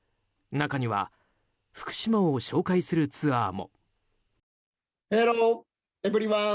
中には福島を紹介するツアーも。